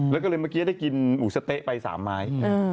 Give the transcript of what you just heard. แล้วก็เลยเมื่อกี้ได้กินหมูสะเต๊ะไป๓ไม้